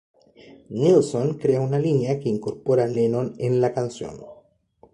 Nilsson crea una línea, que incorpora Lennon en la canción.